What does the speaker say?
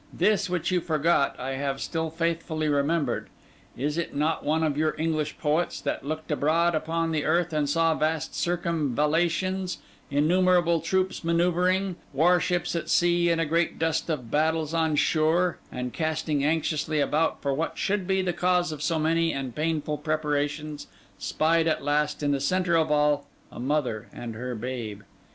This, which you forgot, I have still faithfully remembered. Is it not one of your English poets, that looked abroad upon the earth and saw vast circumvallations, innumerable troops manoeuvring, warships at sea and a great dust of battles on shore; and casting anxiously about for what should be the cause of so many and painful preparations, spied at last, in the centre of all, a mother and her babe?